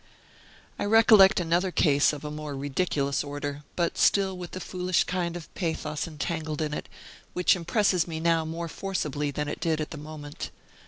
I recollect another case, of a more ridiculous order, but still with a foolish kind of pathos entangled in it, which impresses me now more forcibly than it did at the moment.